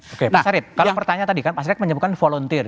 oke pak syarid kalau pertanyaan tadi kan pak syarid menyebutkan volunteer